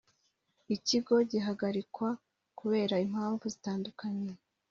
Ikigo gihagarikwa kubera impamvu z’itandukanye